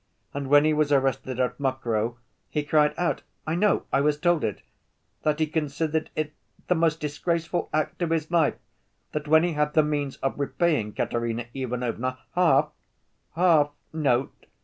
And when he was arrested at Mokroe he cried out—I know, I was told it—that he considered it the most disgraceful act of his life that when he had the means of repaying Katerina Ivanovna half (half, note!)